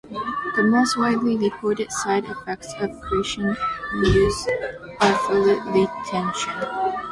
The most widely reported side effects of glycyrrhizin use are fluid retention.